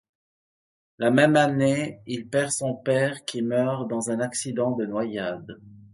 La même année, il perd son père qui meurt dans un accident de noyade.